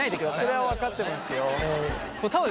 それは分かってますよ。